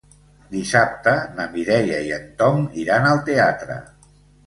Dissabte na Mireia i en Tom iran al teatre.